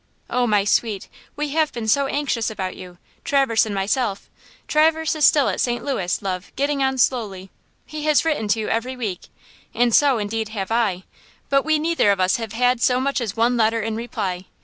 "Oh, my sweet, we have been so anxious about you! Traverse and myself! Traverse is still at St. Louis, love, getting on slowly. He has written to you every week, and so, indeed have I, but we neither of us have had so much as one letter in reply.